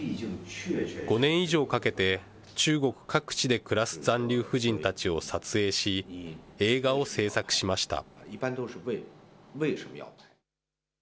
５年以上かけて、中国各地で暮らす残留婦人たちを撮影し、映画を製作しました。